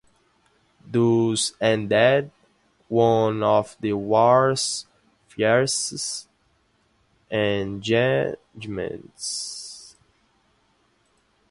Thus ended one of the war's fiercest engagements.